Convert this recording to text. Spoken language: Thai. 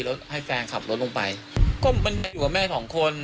และก็ถูกกับแม่ทองคน